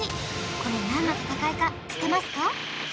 これ何の戦いか知ってますか？